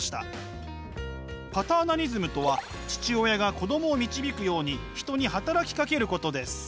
パターナリズムとは父親が子供を導くように人に働きかけることです。